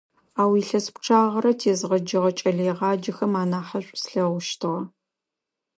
Ау илъэс пчъагъэрэ тезгъэджэгъэ кӀэлэегъаджэхэм анахьышӀу слъэгъущтыгъэ.